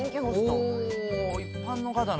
おお一般の方の。